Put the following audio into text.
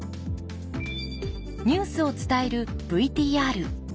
ニュースを伝えるＶＴＲ。